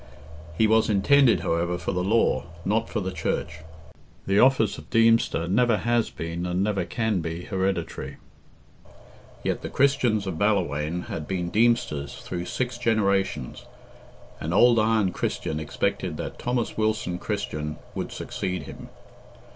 He was intended, however, for the law, not for the Church. The office of Deemster never has been and never can be hereditary; yet the Christians of Ballawhaine had been Deemsters through six generations, and old Iron Christian expected that Thomas Wilson Christian would succeed him.